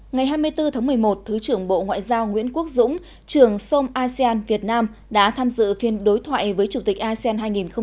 ngày hai mươi bốn tháng một mươi một thứ trưởng bộ ngoại giao nguyễn quốc dũng trưởng som asean việt nam đã tham dự phiên đối thoại với chủ tịch asean hai nghìn hai mươi